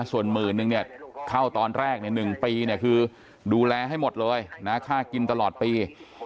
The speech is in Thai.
ส่วนหมื่นนึงเนี่ยเข้าตอนแรก๑ปีคือดูแลให้หมดเลยนะค่ากินตลอดปี